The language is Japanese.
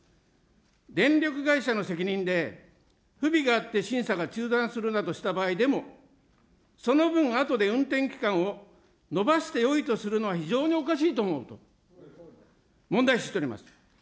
電力会社の責任で、不備があって審査が中断するなどした場合でも、その分、あとで運転期間を延ばしてよいとするのは非常におかしいと思うと、問題視しております。